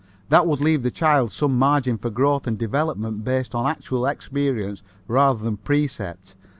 That would leave the child some margin for growth and development based on actual experience rather than precept.